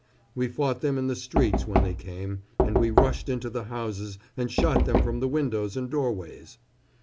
We fought them in the streets when they came, and we rushed into the houses and shot them from the windows and doorways.